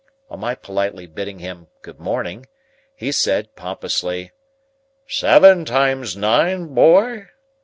On my politely bidding him Good morning, he said, pompously, "Seven times nine, boy?"